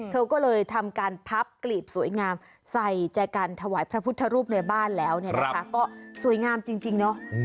เธอก็เลยทำการพับกลีบสวยงามใส่ใจกันถวายพระพุทธรูปในบ้านแล้วเนี่ยนะคะก็สวยงามจริงเนาะ